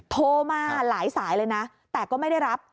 โทรมาหลายสายเลยนะแต่ก็ไม่ได้รับ